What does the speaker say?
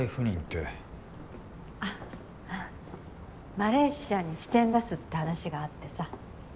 マレーシアに支店出すって話があってさ。